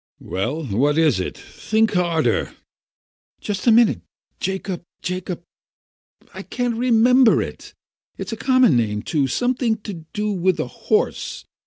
"WeH then, what is it? Think harder." "Just a minute! Jacob — Jacob — I can't remember it ! It's a common name too, something to da with а horse.